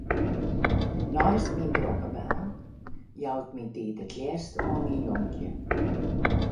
Neist myn drokke baan jou ik myn tiid it leafst oan myn jonkje.